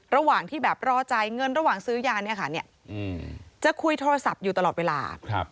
ระหว่างที่แบบรอจ่ายเงินระหว่างซื้อยาเนี่ยค่ะจะคุยโทรศัพท์อยู่ตลอดเวลา